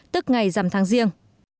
tức ngày dầm tháng riêng